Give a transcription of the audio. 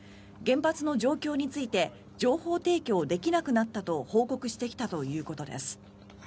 原発の状況について情報提供できなくなったと報告してきたということです。